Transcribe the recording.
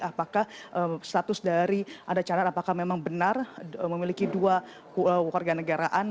apakah status dari archandra thakar memang benar memiliki dua warga negaraan